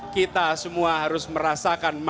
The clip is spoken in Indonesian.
kita semua harus merasakan manfaat